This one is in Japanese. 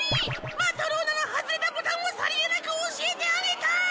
マトローナの外れたボタンをさりげなく教えてあげた！